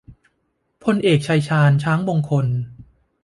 พลเอก ชัยชาญ ช้างมงคล